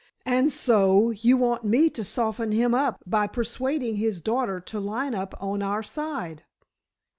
"And so, you want me to soften him by persuading his daughter to line up on our side?"